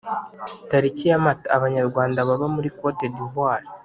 Tariki ya Mata Abanyarwanda baba muri cote d Ivoire